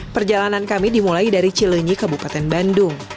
perjalanan kami dimulai dari cilunyi ke bupaten bandung